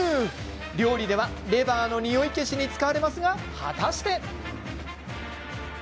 料理ではレバーのにおい消しに使われますが、果たして。